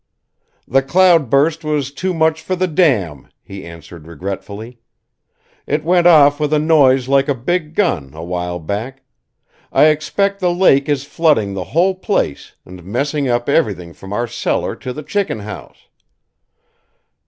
"The cloudburst was too much for the dam," he answered regretfully. "It went off with a noise like a big gun, a while back. I expect the lake is flooding the whole place and messing up everything from our cellar to the chickenhouse.